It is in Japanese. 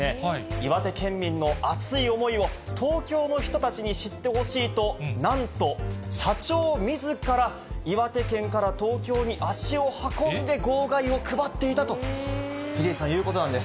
岩手県民の熱い思いを東京の人たちに知ってほしいと、なんと社長みずから岩手県から東京に足を運んで、号外を配っていたと、藤井さん、いうことなんです。